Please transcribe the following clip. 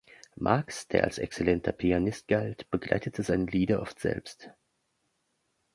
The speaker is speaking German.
Marx, der als exzellenter Pianist galt, begleitete seine Lieder oft selbst.